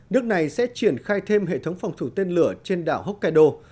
nước này sẽ triển khai thêm hệ thống phòng thủ tên lửa trên đảo hokkaido